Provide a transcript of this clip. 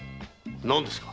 何ですか？